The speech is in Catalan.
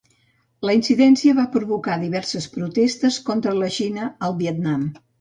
La incidència va provocar diverses protestes contra la Xina al Vietnam.